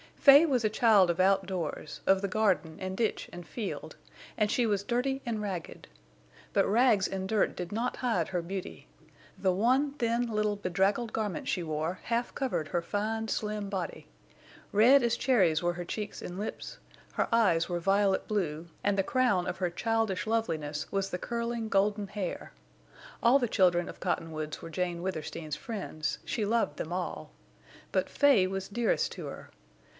Fay was a child of outdoors, of the garden and ditch and field, and she was dirty and ragged. But rags and dirt did not hide her beauty. The one thin little bedraggled garment she wore half covered her fine, slim body. Red as cherries were her cheeks and lips; her eyes were violet blue, and the crown of her childish loveliness was the curling golden hair. All the children of Cottonwoods were Jane Withersteen's friends, she loved them all. But Fay was dearest to her.